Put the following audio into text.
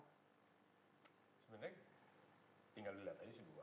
sebenarnya tinggal dilihat aja sih bu